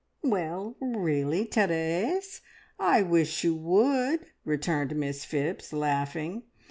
"Well, really, Therese, I wish you would!" returned Miss Phipps, laughing.